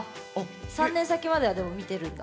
３年先まではでも見てるんだ。